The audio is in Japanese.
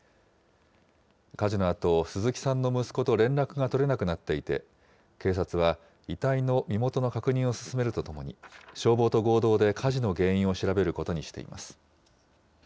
火事のあと、鈴木さんの息子と連絡が取れなくなっていて、警察は遺体の身元の確認を進めるとともに、消防と合同で火事の原因を調べることにしています。